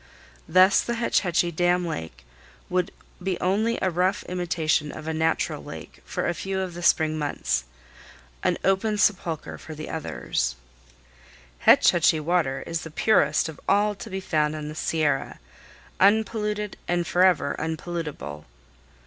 Thus the Hetch Hetchy dam lake would be only a rough imitation of a natural lake for a few of the spring months, an open sepulcher for the others. "Hetch Hetchy water is the purest of all to be found in the Sierra, unpolluted, and forever unpollutable."